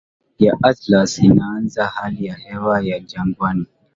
ya Atlas inaanza hali ya hewa ya jangwani